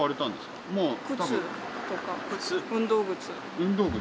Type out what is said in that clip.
運動靴。